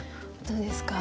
どうですか？